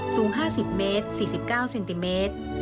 สูง๕๐เมตร๔๙เซนติเมตร